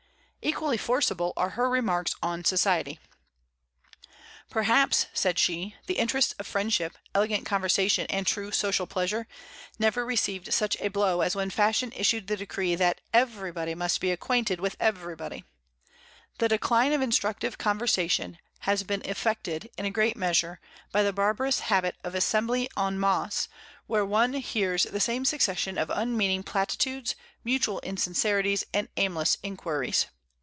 Equally forcible are her remarks on society: "Perhaps," said she, "the interests of friendship, elegant conversation, and true social pleasure, never received such a blow as when fashion issued the decree that everybody must be acquainted with everybody. The decline of instructive conversation has been effected in a great measure by the barbarous habit of assembly en masse, where one hears the same succession of unmeaning platitudes, mutual insincerities, and aimless inquiries.